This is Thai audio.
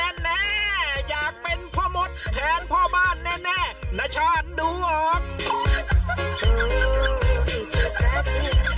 แน่อยากเป็นพ่อมดแทนพ่อบ้านแน่นชาติดูออก